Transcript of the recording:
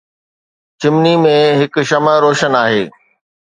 چمني ۾ هڪ شمع روشن آهي